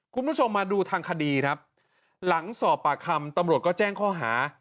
คุณผู้ชมมาดูทางคดีครับหลังสอบปากคำตำรวจก็แจ้งข้อหา